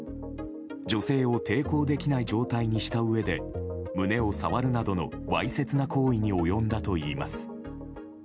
女性を抵抗できない状態にしたうえで胸を触るなどのわいせつな行為に及んだといいます。